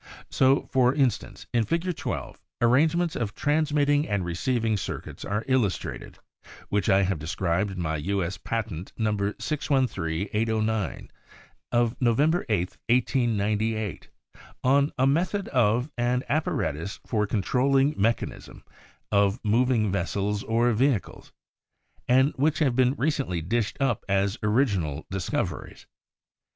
So for instance in Fig. 12 arrangements of transmitting and receiving circuits are illustrated, which I have described in my U. S. Patent No. 613809 of November 8, 1898 on a Method of and Apparatus for Controlling Mechan ism of Moving Vessels or Vehicles, and which have been recently dished up as orig inal discoveries.